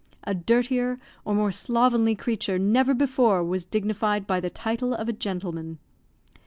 A dirtier or more slovenly creature never before was dignified by the title of a gentleman.